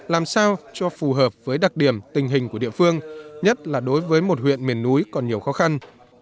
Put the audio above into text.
làm sao cho phù hợp với đặc điểm tình hình của địa phương nhất là đối với một huyện miền núi còn nhiều khó khăn